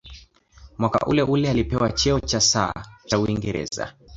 Mwaka uleule alipewa cheo cha "Sir" cha Uingereza.